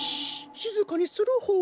しずかにするホー。